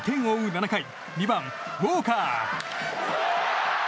７回２番、ウォーカー。